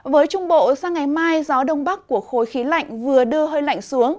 với trung bộ sang ngày mai gió đông bắc của khối khí lạnh vừa đưa hơi lạnh xuống